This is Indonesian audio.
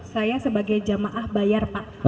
saya sebagai jamaah bayar pak